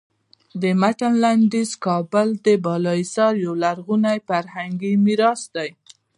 د متن لنډیز کابل بالا حصار یو لرغونی فرهنګي میراث دی.